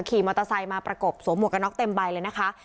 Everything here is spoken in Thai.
ขี่มอเตอร์ไซค์มาประกบสวมหวกกระน็อกเต็มใบเลยนะคะ